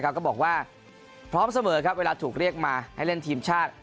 ก็บอกว่าพร้อมเสมอครับเวลาถูกเรียกมาให้เล่นทีมชาติ